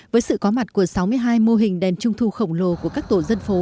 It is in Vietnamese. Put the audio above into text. với sự có mặt của sáu mươi hai mô hình đèn trung thu khổng lồ của các tổ dân phố